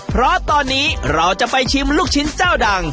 เพราะตอนนี้เราจะไปชิมลูกชิ้นเจ้าดัง